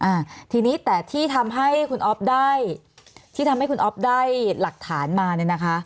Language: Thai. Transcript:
อ่าทีนี้แต่ที่ทำให้คุณอ๊อฟได้ที่ทำให้คุณอ๊อฟได้หลักฐานมาเนี่ยนะคะ